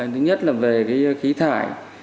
thứ nhất là về khí thải